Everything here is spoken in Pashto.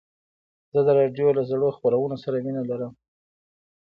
زه د راډیو له زړو خپرونو سره مینه لرم.